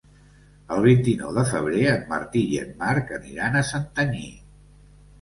El vint-i-nou de febrer en Martí i en Marc aniran a Santanyí.